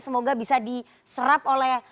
semoga bisa diserap oleh